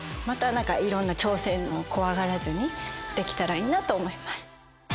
また何かいろんな挑戦を怖がらずにできたらいいなと思います。